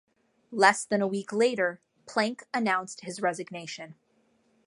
Less than a week later, Plank announced his resignation.